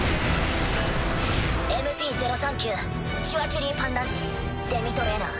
ＭＰ０３９チュアチュリー・パンランチデミトレーナー。